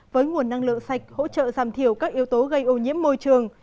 với nguồn năng lượng sạch hỗ trợ giảm thiểu các yếu tố gây ô nhiễm môi trường